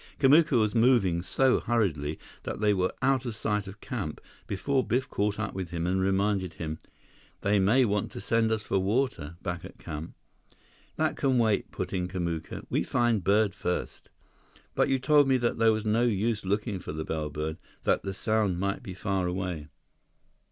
Kamuka was moving so hurriedly that they were out of sight of camp before Biff caught up with him and reminded him, "They may want to send us for water, back at camp—" "That can wait," put in Kamuka. "We find bird first." "But you told me before that there was no use looking for the bellbird, that the sound might be far away."